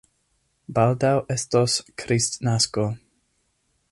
Baldaŭ estos kristnasko.